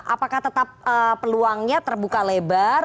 apakah tetap peluangnya terbuka lebar